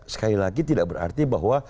sekali lagi tidak berarti bahwa